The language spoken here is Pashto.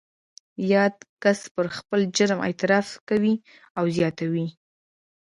یاد کس پر خپل جرم اعتراف کوي او زیاتوي